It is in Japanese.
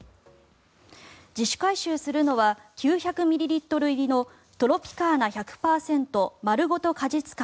自主回収するのは９００ミリリットル入りのトロピカーナ１００％まるごと果実感